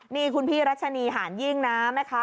นี่คุณพี่รัชนีหานยิ่งนะแม่ค้า